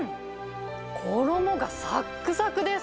衣がさっくさくです。